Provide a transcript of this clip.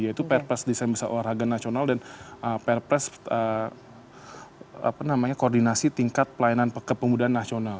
yaitu purpose desain bisa olahraga nasional dan purpose koordinasi tingkat pelayanan kepemudaan nasional